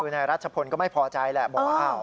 คือนายรัชพนธ์ก็ไม่พอใจแหละบอกว่าอ้าว